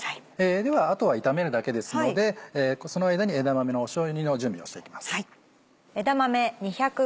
ではあとは炒めるだけですのでその間に枝豆のしょうゆ煮の準備をしていきます。